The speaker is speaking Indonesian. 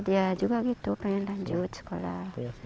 dia juga gitu pengen lanjut sekolah